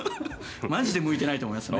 マジで向いてないと思いますね。